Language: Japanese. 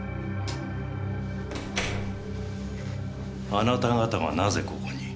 あなた方がなぜここに？